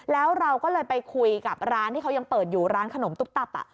แล้วเราก็เลยไปคุยกับร้านที่เขายังเปิดอยู่ร้านขนมตุ๊บตับ